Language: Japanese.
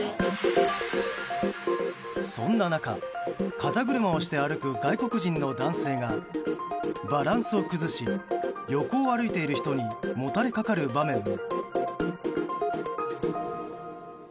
そんな中、肩車をして歩く外国人の男性がバランスを崩し横を歩いている人にもたれかかる場面も。